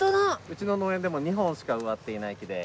うちの農園でも２本しか植わっていない木で。